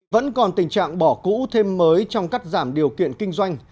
vẫn còn tình trạng bỏ cũ thêm mới trong cắt giảm điều kiện kinh doanh